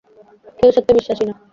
কেউ সত্যে বিশ্বাসি না।